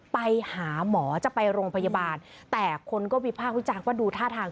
ไปหาหมอจะไปโรงพยาบาลแต่คนก็วิพากษ์วิจารณ์ว่าดูท่าทาง